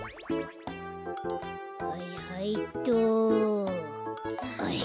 はいはいっと。